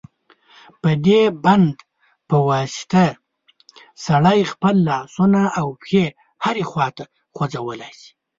په دې بند په واسطه سړی خپل لاسونه او پښې هرې خواته خوځولای شي.